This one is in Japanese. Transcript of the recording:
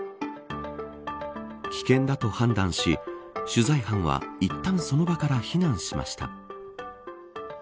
危険だと判断し取材班は一端その場から避難しました。